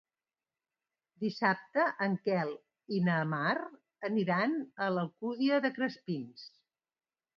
Dissabte en Quel i na Mar aniran a l'Alcúdia de Crespins.